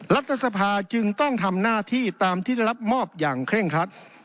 รัฐสภาจึงต้องทำหน้าที่ตามที่ได้รับมอบอย่างเคร่งครัด